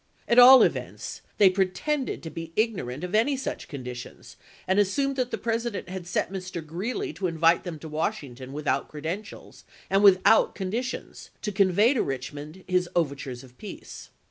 At all events they pretended to be ignorant of any such conditions, and assumed that the President had sent Mr. Greeley to invite them to Washington without credentials and with out conditions, to convey to Eichmond his over tures of peace.